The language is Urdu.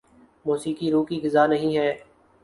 موسیقی روح کی غذا نہیں ہے